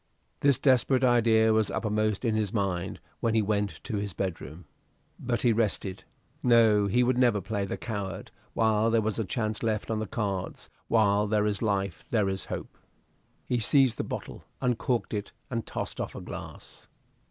This desperate idea was uppermost in his mind when he went up to his bedroom. But he resisted. No, he would never play the coward while there was a chance left on the cards; while there is life there is hope. He seized the bottle, uncorked it, and tossed off a glass.